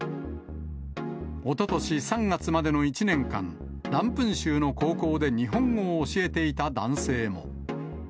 おととし３月までの１年間、ランプン州の高校で日本語を教えていた男性も。